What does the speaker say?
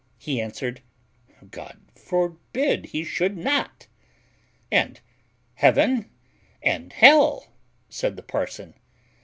He answered, "God forbid he should not." "And heaven and hell?" said the parson.